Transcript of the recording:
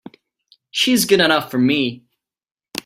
She's good enough for me!